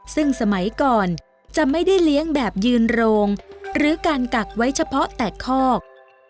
ซึ่งสมัยก่อนจะไม่ได้เลี้ยงแบบยืนโรงหรือการกักไว้เฉพาะแตกคอก